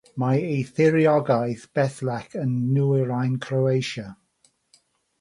Mae ei thiriogaeth bellach yn nwyrain Croatia.